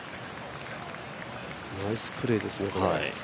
ナイスプレーですね、これ。